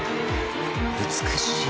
美しい。